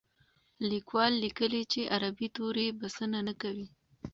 لیکوال لیکلي چې عربي توري بسنه نه کوي.